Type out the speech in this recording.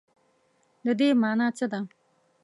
د دې مانا څه ده ؟